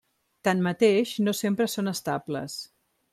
Tanmateix no sempre són estables.